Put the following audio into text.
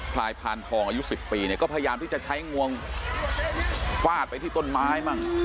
ลายพานทองอายุ๑๐ปีเนี่ยก็พยายามที่จะใช้งวงฟาดไปที่ต้นไม้บ้าง